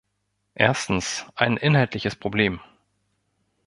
Erstens, ein inhaltliches Problem.